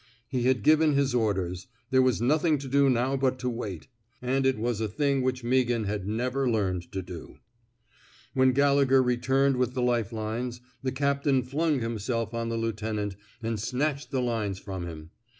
He had given his orders. There was nothing to do now but to wait. And it was a thing which Mea ghan had never learned to do. When Gallegher returned with the life lines, the captain flung himself on the lieu tenant, and snatched the lines from him.